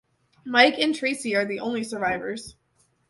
Mike and Tracy are the only survivors.